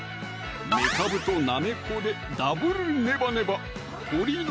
めかぶとなめこでダブルネバネバ